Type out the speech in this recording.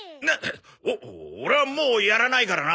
オオレはもうやらないからな！